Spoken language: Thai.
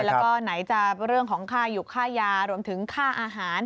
แล้วก็ไหนจะเรื่องของค่าอยู่ค่ายารวมถึงค่าอาหาร